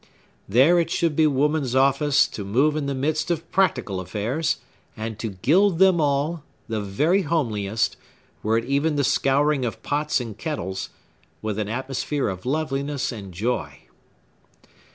There it should be woman's office to move in the midst of practical affairs, and to gild them all, the very homeliest,—were it even the scouring of pots and kettles,—with an atmosphere of loveliness and joy.